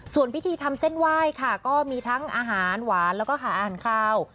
ส่วนพิธีทำเส้นไหว้ค่ะก็มีทั้งอาหารหวานแล้วก็หาอาหารคาว